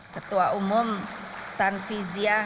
ketua umum tanfizyah